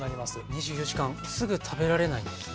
２４時間すぐ食べられないんですね。